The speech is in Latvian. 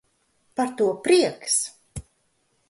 Par to prieks!